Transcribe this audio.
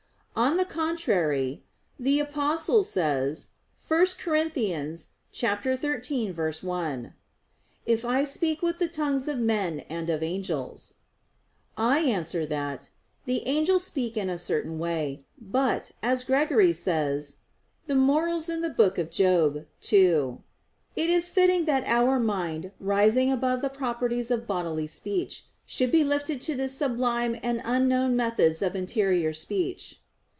On the contrary, The Apostle says (1 Cor. 13:1): "If I speak with the tongues of men and of angels." I answer that, The angels speak in a certain way. But, as Gregory says (Moral. ii): "It is fitting that our mind, rising above the properties of bodily speech, should be lifted to the sublime and unknown methods of interior speech."